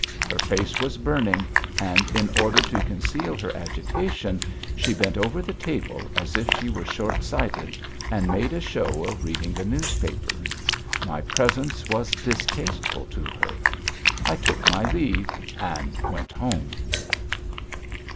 Her face was burning, and, in order to conceal her agitation, she bent over the table as if she were short sighted and made a show of reading the newspaper. My presence was distasteful to her. I took my leave and went home.